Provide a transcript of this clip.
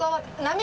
何？